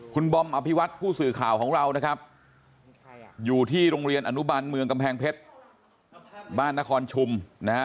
คุณบอมอภิวัตผู้สื่อข่าวของเรานะครับอยู่ที่โรงเรียนอนุบันเมืองกำแพงเพชรบ้านนครชุมนะฮะ